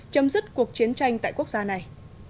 chấm dứt cuộc chiến tranh tại quốc gia này